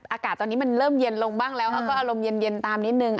อากาศตอนนี้มันเริ่มเย็นลงบ้างแล้วเขาก็อารมณ์เย็นตามนิดนึง